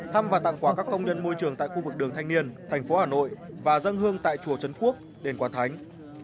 thăm và tặng quà các công nhân môi trường tại khu vực đường thanh niên thành phố hà nội và dân hương tại chùa trấn quốc đền quảng thánh